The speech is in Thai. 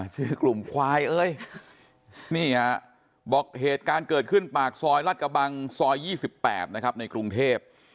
ชื่อกลุ่มควายเอ้ยนี่ฮะบอกเหตุการณ์เกิดขึ้นปากซอยรัดกระบังซอย๒๘นะครับในกรุงเทพ